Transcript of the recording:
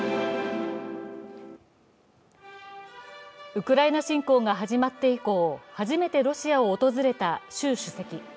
ウクライナ侵攻が始まって以降、初めてロシアを訪れた習主席。